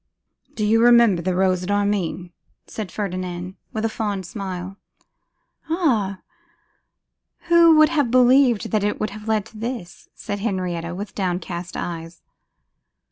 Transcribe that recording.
'Do you remember the rose at Armine?' said Ferdinand, with a fond smile. 'Ah! who would have believed that it would have led to this?' said Henrietta, with downcast eyes.